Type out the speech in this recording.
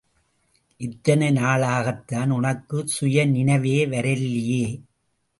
இத்தனை நாளாகத்தான் உனக்கு சுய நினைவே வரல்லியே!